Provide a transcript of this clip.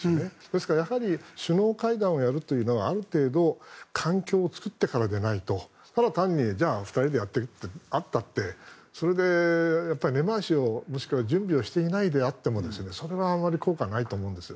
ですから首脳会談をやるというのはある程度環境を作ってからでないとただ単に２人でやって会ったってそれで根回しを準備をしていなくてもそれはあまり効果がないと思うんです。